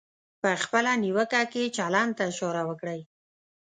په خپله نیوکه کې چلند ته اشاره وکړئ.